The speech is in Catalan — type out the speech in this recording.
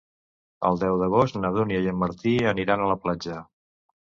El deu d'agost na Dúnia i en Martí aniran a la platja.